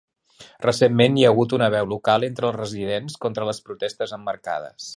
Recentment hi ha hagut una veu local entre els residents contra les protestes emmarcades.